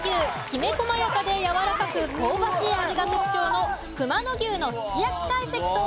きめ細やかでやわらかく香ばしい味が特徴の熊野牛のすき焼き懐石と。